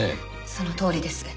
そのとおりです。